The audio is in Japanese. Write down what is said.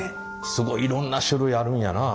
すごいいろんな種類あるんやなあ。